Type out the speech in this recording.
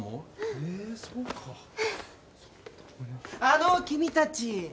あのう君たち！